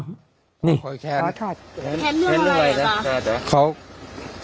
แค่เรื่องอะไรหรอ